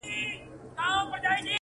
ما ویل زه به ټول نغمه، نغمه سم٫